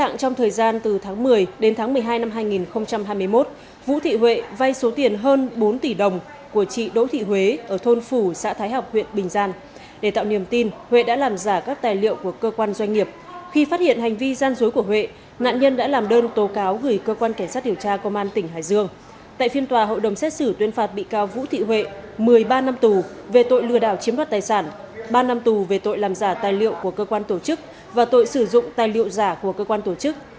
một mươi bảy năm tù là bản án mà tòa án nhân dân tỉnh hải dương vừa tuyên phạt bị cáo vũ thị huệ ở thôn lôi khê xã hồng khê huyện bình giang về các tội lừa đảo chiếm vật tài sản làm giả tài liệu của cơ quan tổ chức và tội sử dụng tài liệu giả của cơ quan tổ chức